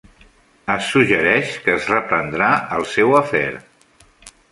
Es suggereix que es reprendrà el seu afer.